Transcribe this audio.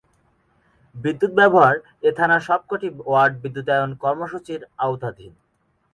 বিদ্যুৎ ব্যবহার এ থানার সবক’টি ওয়ার্ড বিদ্যুতায়ন কর্মসূচির আওতাধীন।